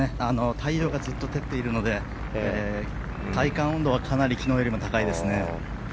太陽がずっと照っているので体感温度はかなり昨日よりも高いですね。